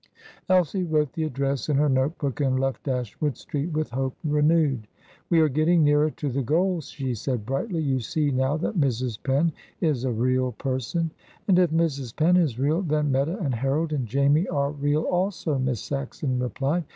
Elsie wrote the address in her note book, and left Dashwood Street with hope renewed. "We are getting nearer to the goal," she said brightly. "You see now that Mrs. Penn is a real person." "And if Mrs. Penn is real, then Meta and Harold and Jamie are real also," Miss Saxon replied.